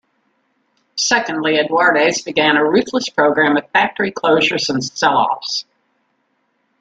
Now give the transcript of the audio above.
Secondly, Edwardes began a ruthless programme of factory closures and sell-offs.